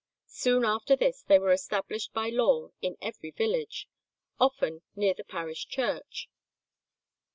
Soon after this they were established by law in every village, often near the parish church.